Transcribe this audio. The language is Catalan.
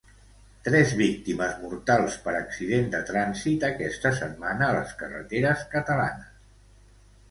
Tres víctimes mortals per accident de trànsit aquesta setmana a les carreteres catalanes.